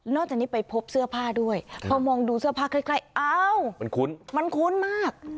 จากนี้ไปพบเสื้อผ้าด้วยพอมองดูเสื้อผ้าใกล้อ้าวมันคุ้นมันคุ้นมาก